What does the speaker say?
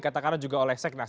katakanlah juga oleh seknas